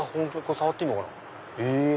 触っていいのかな。